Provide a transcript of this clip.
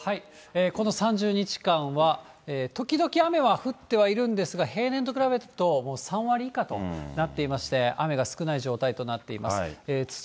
この３０日間は、時々雨は降ってはいるんですが、平年と比べると、もう３割以下となっていまして、雨が少ない状態となっています。